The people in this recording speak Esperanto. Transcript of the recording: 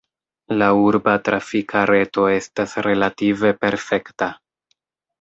La urba trafika reto estas relative perfekta.